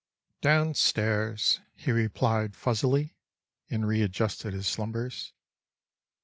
"Downstairs," he replied fuzzily, and readjusted his slumbers.